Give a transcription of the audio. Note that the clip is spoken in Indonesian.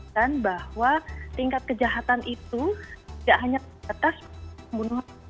dan bahwa tingkat kejahatan itu tidak hanya terkena penyakit penyakit pembunuhan